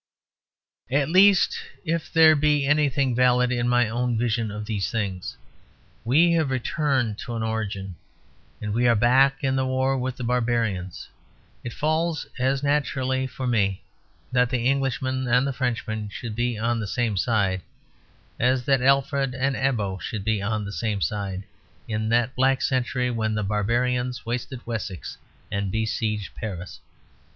At least, if there be anything valid in my own vision of these things, we have returned to an origin and we are back in the war with the barbarians. It falls as naturally for me that the Englishman and the Frenchman should be on the same side as that Alfred and Abbo should be on the same side, in that black century when the barbarians wasted Wessex and besieged Paris.